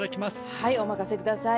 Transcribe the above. はいお任せ下さい。